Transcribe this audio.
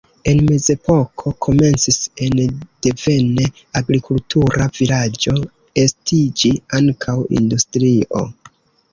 En mezepoko komencis en devene agrikultura vilaĝo estiĝi ankaŭ industrio.